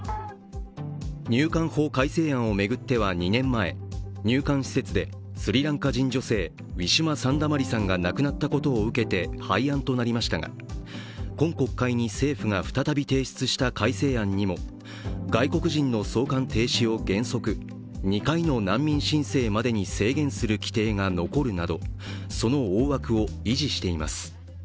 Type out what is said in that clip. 入管法改正案を巡っては、２年前入管施設でスリランカ人女性ウィシュマ・サンダマリさんが亡くなったことを受けて廃案となりましたが今国会に政府が再び提出した改正案にも外国人の送還停止を、原則２回の難民申請までに制限する規定が残るなどその大枠を維持しています。